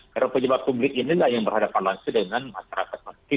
karena pejabat publik inilah yang berhadapan langsung dengan masyarakat muslim